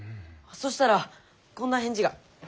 そしたらこんな返事が。